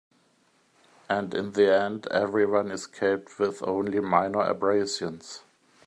And in the end, everyone escaped with only minor abrasions.